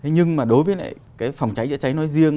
nhưng mà đối với lại phòng cháy chữa cháy nói riêng